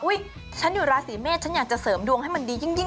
ฉันอยู่ราศีเมษฉันอยากจะเสริมดวงให้มันดียิ่ง